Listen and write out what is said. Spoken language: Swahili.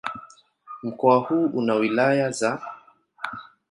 Mkoa huu una wilaya za